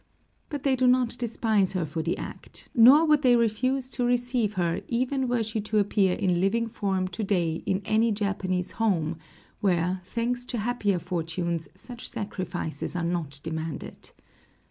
But they do not despise her for the act; nor would they refuse to receive her even were she to appear in living form to day in any Japanese home, where, thanks to happier fortunes, such sacrifices are not demanded.